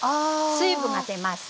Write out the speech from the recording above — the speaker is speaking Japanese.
水分が出ます。